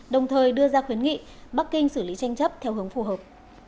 đồng thời đưa ra khuyến nghị bắc kinh xử lý tranh chấp theo hướng phù hợp